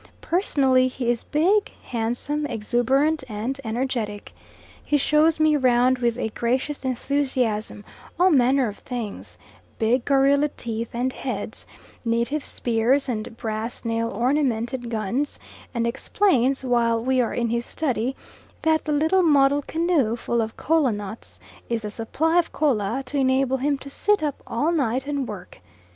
Personally, he is big, handsome, exuberant, and energetic. He shows me round with a gracious enthusiasm, all manner of things big gorilla teeth and heads, native spears and brass nail ornamented guns; and explains, while we are in his study, that the little model canoe full of Kola nuts is the supply of Kola to enable him to sit up all night and work.